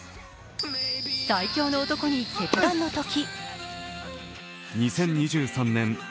最強の男に決断のとき。